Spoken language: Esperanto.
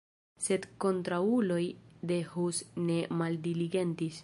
Sed kontraŭuloj de Hus ne maldiligentis.